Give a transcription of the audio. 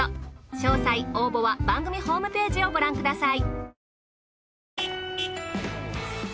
詳細応募は番組ホームページをご覧ください。